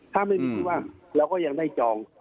ถ้าไม่มีผู้ว่าเราก็ยังได้จอง